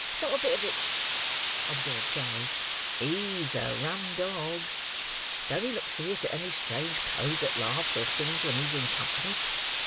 "Not a bit of it," observed Charley. "He's a rum dog. Don't he look fierce at any strange cove that laughs or sings when he's in company!"